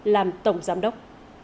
làm tổng giám đốc